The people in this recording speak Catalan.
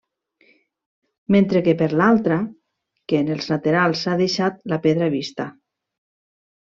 Mentre que per l'altra, que en els laterals s'ha deixat la pedra vista.